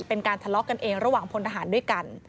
เป็นการทะเลาะกันเองระหว่างพลทหารด้วยกัน